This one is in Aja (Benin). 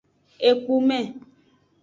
Ekpume.